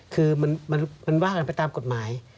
คือมันว่ากันไปตามกฎหมาย